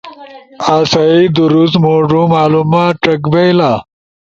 اسئی درست موڙو معلومات ڇک بئیلا